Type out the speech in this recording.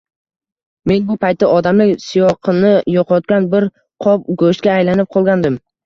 Men bu paytda odamlik siyoqini yoʻqotgan, bir qop goʻshtga aylanib qolgandim.